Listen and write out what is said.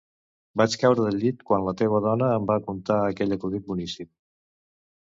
Vaig caure del llit quan la teua dona em va contar aquell acudit boníssim